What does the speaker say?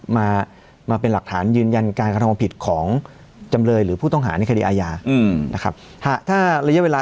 มาเป็นหลักฐานยืนยันการการทำผิดของจำเลยหรือผู้ต้องหาในคดีอาญา